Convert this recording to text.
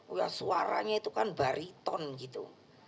udah suaranya itu kan bariton gitu